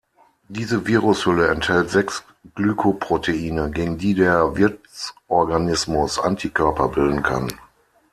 Diese Virushülle enthält sechs Glykoproteine, gegen die der Wirtsorganismus Antikörper bilden kann.